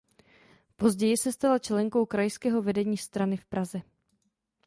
Později se stala členkou krajského vedení strany v Praze.